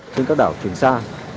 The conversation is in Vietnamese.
trên các đảo trường xa